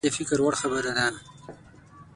دا د فکر وړ خبره ده.